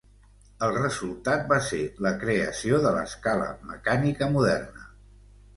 El resultat va ser la creació de l'escala mecànica moderna.